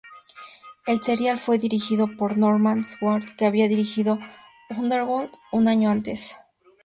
El serial fue dirigido por Norman Stewart, que había dirigido "Underworld" un año antes.